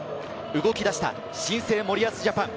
動き出した新生・森保ジャパン。